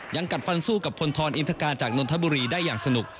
กัดฟันสู้กับพลทรอินทกาจากนนทบุรีได้อย่างสนุก